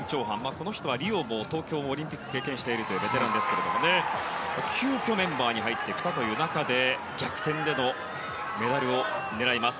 この人はリオも東京オリンピックも経験しているベテランですけど急きょメンバーに入ってきたという中で逆転でのメンバーを狙います。